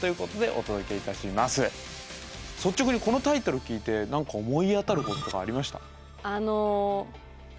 率直にこのタイトル聞いて何か思い当たることとかありました？